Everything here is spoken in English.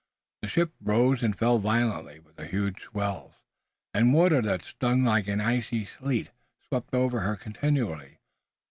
The ship rose and fell violently with the huge swells, and water that stung like an icy sleet swept over her continually.